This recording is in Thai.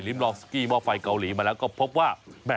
ลองสกี้หม้อไฟเกาหลีมาแล้วก็พบว่า